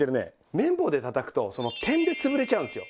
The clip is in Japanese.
麺棒で叩くと点でつぶれちゃうんですよ。